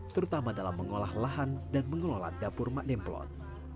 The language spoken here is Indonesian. terutama dalam mengolah lahan dan mengelola dapur mak demplon